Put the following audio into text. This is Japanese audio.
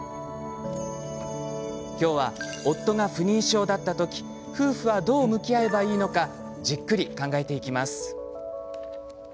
今日は、夫が不妊症だった時夫婦はどう向き合えばいいのかじっくり考えていきます。